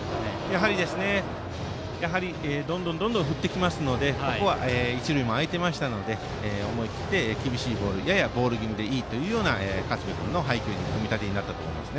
やはりどんどん振ってきますしここは一塁も空いていましたので思い切って厳しいボールややボール気味でいいというような組み立てになったと思います。